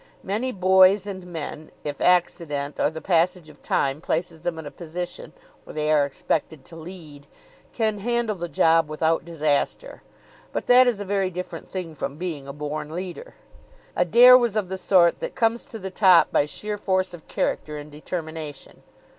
Many boys and men, if accident, or the passage of time, places them in a position where they are expected to lead, can handle the job without disaster; but that is a very different thing from being a born leader. Adair was of the sort that comes to the top by sheer force of character and determination.